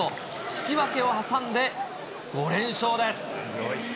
引き分けを挟んで、５連勝です。